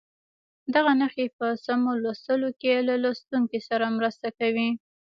دغه نښې په سمو لوستلو کې له لوستونکي سره مرسته کوي.